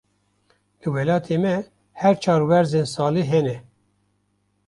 Li welatê me, her çar werzên salê hene.